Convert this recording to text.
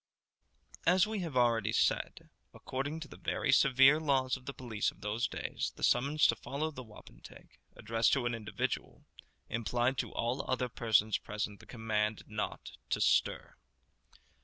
As we have already said, according to the very severe laws of the police of those days, the summons to follow the wapentake, addressed to an individual, implied to all other persons present the command not to stir.